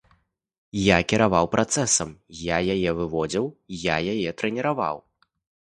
Я кіраваў працэсам, я яе выводзіў, я яе трэніраваў.